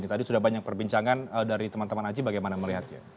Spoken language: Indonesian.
tadi sudah banyak perbincangan dari teman teman aji bagaimana melihatnya